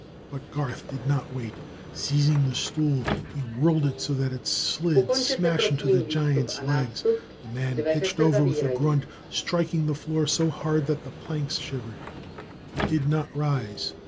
But Garth did not wait. Seizing the stool he whirled it so that it slid smash into the giant's legs. The man pitched over with a grunt, striking the floor so hard that the planks shivered. He did not rise.